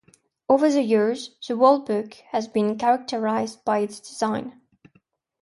Over the years, the "World Book" has been characterized by its design.